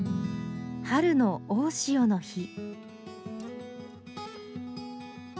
春の大潮の日。